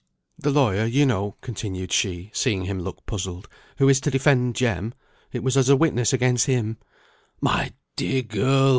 The lawyer, you know," continued she, seeing him look puzzled, "who is to defend Jem, it was as a witness against him " "My dear girl!"